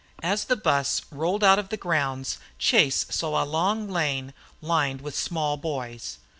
As the bus rolled out of the grounds Chase saw a long lane lined with small boys.